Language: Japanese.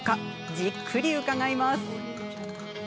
じっくり伺います。